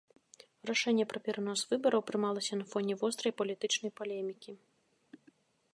Рашэнне пра перанос выбараў прымалася на фоне вострай палітычнай палемікі.